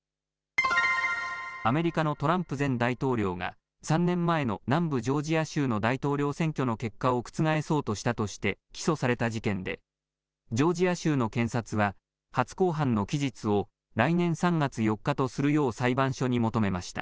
アメリカのトランプ前大統領が３年前の南部ジョージア州の大統領選挙の結果を覆そうとしたとして起訴された事件でジョージア州の検察は初公判の期日を来年３月４日とするよう裁判所に求めました。